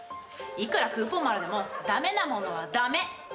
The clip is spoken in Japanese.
いくらクーポンまるでも駄目なものは駄目。